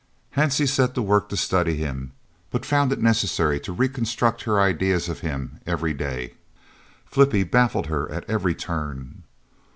Hansie set to work to study him, but found it necessary to reconstruct her ideas of him every day. Flippie baffled her at every turn.